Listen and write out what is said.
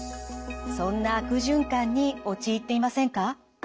そんな悪循環に陥っていませんか？